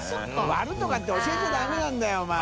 割る」とかって教えちゃダメなんだよお前。